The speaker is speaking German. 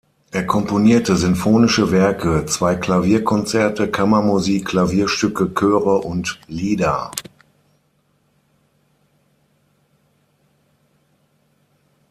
Er komponierte sinfonische Werke, zwei Klavierkonzerte, Kammermusik, Klavierstücke, Chöre und Lieder.